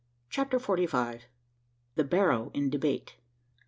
CHAPTER FORTY FIVE. THE BARROW IN DEBATE.